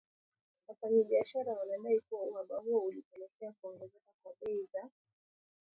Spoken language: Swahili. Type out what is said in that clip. Wafanyabiashara wanadai kuwa uhaba huo ulipelekea kuongezeka kwa bei za